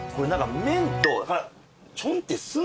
麺と。